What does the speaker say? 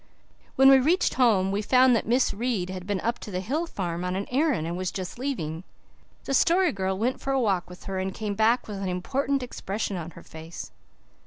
When we reached home we found that Miss Reade had been up to the hill farm on an errand and was just leaving. The Story Girl went for a walk with her and came back with an important expression on her face.